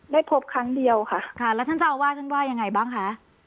พบครั้งเดียวค่ะค่ะแล้วท่านเจ้าอาวาสท่านว่ายังไงบ้างคะ